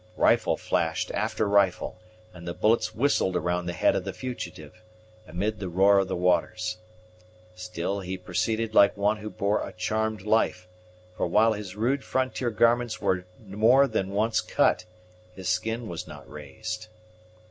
Rifle flashed after rifle, and the bullets whistled around the head of the fugitive, amid the roar of the waters. Still he proceeded like one who bore a charmed life; for, while his rude frontier garments were more than once cut, his skin was not razed.